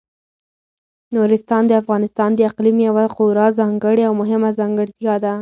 نورستان د افغانستان د اقلیم یوه خورا ځانګړې او مهمه ځانګړتیا ده.